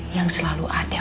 yang selalu ada